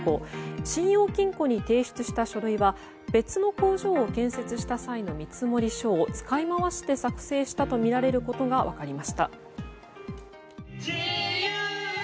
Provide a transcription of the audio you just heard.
信用金庫に提出した書類は別の工場を建設した際の見積書を使い回して作成したとみられることが分かりました。